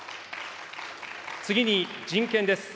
次に、人権です。